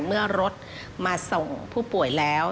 เมื่อรถมาส่งผู้ป่วยแล้ว